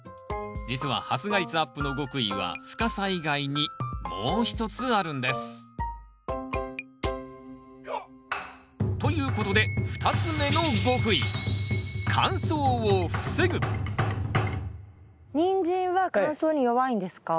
実は発芽率アップの極意は深さ以外にもう一つあるんです。ということで２つ目の極意ニンジンは乾燥に弱いんですか？